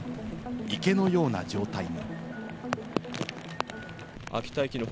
池のような状態に。